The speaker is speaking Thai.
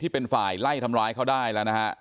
เป็นฝ่ายไล่ทำร้ายเขาได้แล้วนะฮะ